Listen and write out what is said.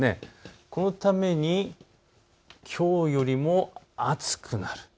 このためにきょうよりも暑くなる。